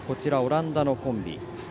オランダのコンビ。